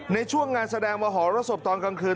ในช่วงงานแสดงมหรสบตอนกลางคืน